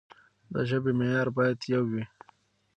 د ژبې معيار بايد يو وي.